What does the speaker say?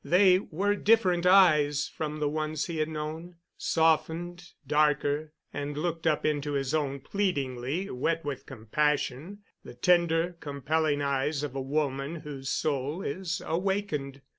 They were different eyes from the ones he had known—softened, darker—and looked up into his own pleadingly, wet with compassion, the tender, compelling eyes of a woman whose soul is awakened.